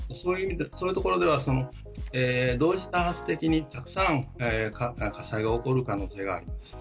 そういうところでは同時多発的にたくさん火災が起こる可能性がある。